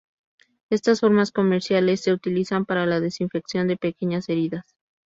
Estas formas comerciales se utilizan para la desinfección de pequeñas heridas.